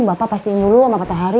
bapak pastiin dulu sama pak tahari